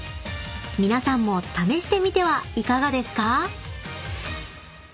［皆さんも試してみてはいかがですか？］